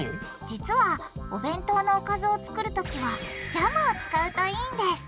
実はお弁当のおかずを作るときはジャムを使うといいんです！